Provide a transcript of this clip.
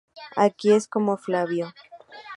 Aquí es con Flavio.